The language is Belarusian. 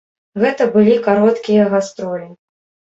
Гэта былі кароткія гастролі.